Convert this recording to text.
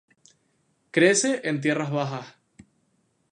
Crece en tierras bajas.